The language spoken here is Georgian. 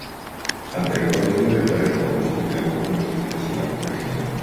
ამ ტერიტორიაზე მდებარე ტბორებში ბინადრობენ უიშვიათესი ლაყუჩფეხიანები.